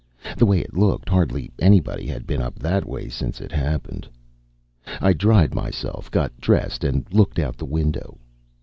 The way it looked, hardly anybody had been up that way since it happened. I dried myself, got dressed and looked out the window.